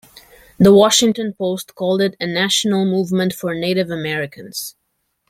The Washington Post called it a National movement for Native Americans.